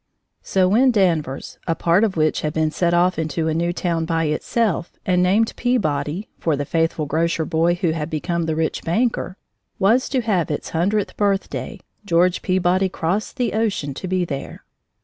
So when Danvers, a part of which had been set off into a new town by itself and named Peabody (for the faithful grocer boy, who had become the rich banker) was to have its hundredth birthday, George Peabody crossed the ocean to be there.